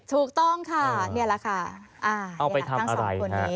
ถูกต้องค่ะนี่แหละค่ะเอาไปทำอะไร